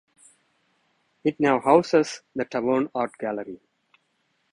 It now houses the Tavern Art Gallery.